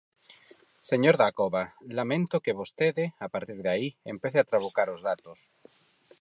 Señor Dacova, lamento que vostede, a partir de aí, empece a trabucar os datos.